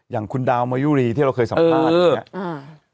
อย่างดาวเมยูรีที่เราเคยสัมภาษณ์